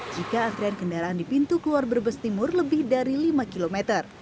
jika antrian kendaraan di pintu keluar brebes timur lebih dari lima km